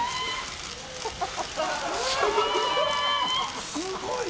すごい。